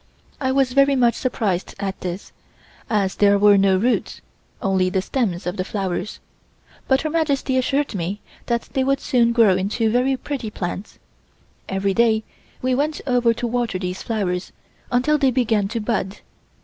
I was very much surprised at this, as there were no roots, only the stems of the flowers, but Her Majesty assured me that they would soon grow into very pretty plants. Every day we went over to water these flowers until they began to bud.